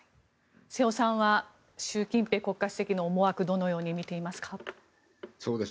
瀬尾さんは習近平国家主席の思惑どのように見ていますか？